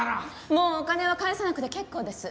もうお金は返さなくて結構です。